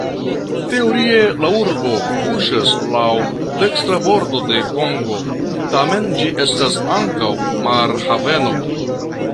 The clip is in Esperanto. Teorie la urbo kuŝas laŭ dekstra bordo de Kongo, tamen ĝi estas ankaŭ marhaveno.